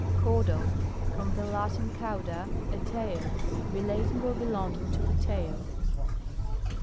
CAUDAL. From the Latin, cauda, a tail. Relating or belonging to the tail.